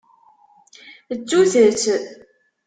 Ttut-tt!